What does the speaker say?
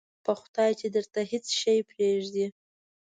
په خدای چې درته هېڅ شی پرېږدي.